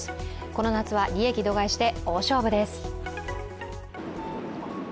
この夏は利益度外視で大勝負です。